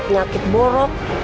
kena penyakit borok